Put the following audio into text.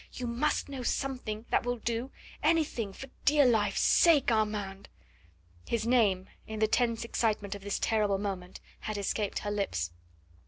"You must know something that will do anything for dear life's sake.... Armand!" His name in the tense excitement of this terrible moment had escaped her lips.